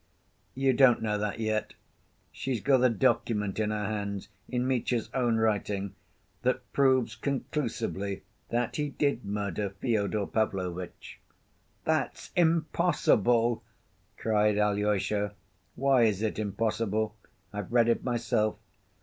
"You don't know that yet. She's got a document in her hands, in Mitya's own writing, that proves conclusively that he did murder Fyodor Pavlovitch." "That's impossible!" cried Alyosha. "Why is it impossible? I've read it myself."